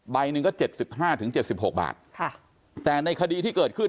ใบหนึ่งก็๗๕๗๖บาทแต่ในคดีที่เกิดขึ้น